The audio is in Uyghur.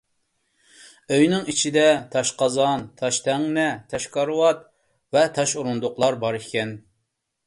ئۆينىڭ ئىچىدە تاش قازان، تاش تەڭنە، تاش كارىۋات ۋە تاش ئورۇندۇقلار بار ئىكەن.